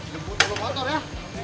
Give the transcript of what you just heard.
jemput telur motor ya